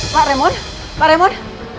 pak remon pak remon